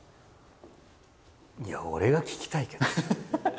いや俺が聞きたいけど。